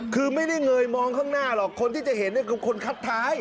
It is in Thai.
คือไม่ได้เงยมองข้างหน้าหรอกคนที่จะเห็นคือคนคัดท้าย